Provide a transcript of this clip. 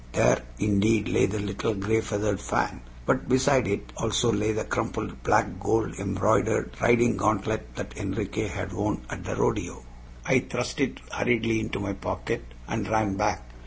There, indeed, lay the little gray feathered fan. But beside it, also, lay the crumpled black gold embroidered riding gauntlet that Enriquez had worn at the rodeo. I thrust it hurriedly into my pocket, and ran back.